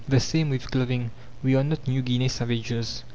The same with clothing. We are not New Guinea savages.